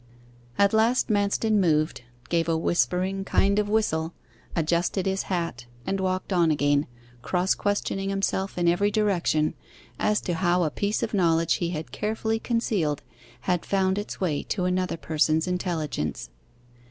At last Manston moved; gave a whispering kind of whistle, adjusted his hat, and walked on again, cross questioning himself in every direction as to how a piece of knowledge he had carefully concealed had found its way to another person's intelligence.